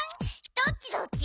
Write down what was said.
ドッチドッチ？